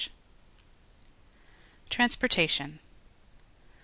Transportation.